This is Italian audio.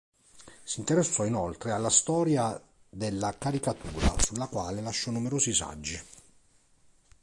Si interessò inoltre alla storia della caricatura, sulla quale lasciò numerosi saggi.